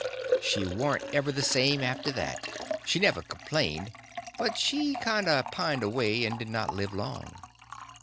She warn't ever the same after that; she never complained, but she kinder pined away and did not live long.